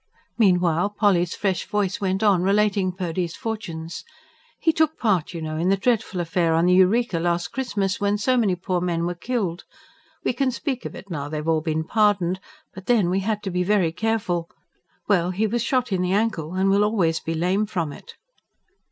Meanwhile Polly's fresh voice went on, relating Purdy's fortunes. "He took part, you know, in the dreadful affair on the Eureka last Christmas, when so many poor men were killed. We can speak of it, now they've all been pardoned; but then we had to be very careful. Well, he was shot in the ankle, and will always be lame from it."